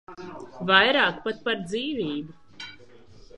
Vairāk pat par dzīvību.